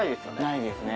ないですね。